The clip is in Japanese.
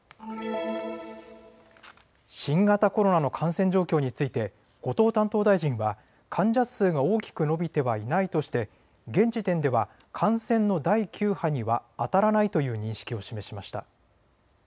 新型コロナの感染状況について後藤担当大臣は患者数が大きく伸びてはいないとして現時点では感染の第９波にはあたらないという認識を示しました。